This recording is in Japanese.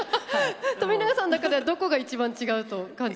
冨永さんの中ではどこが一番違うと感じて。